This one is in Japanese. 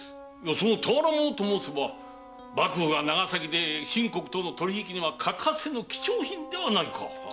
その俵物と申せば幕府が長崎で清国との取り引きには欠かせぬ貴重品ではないか。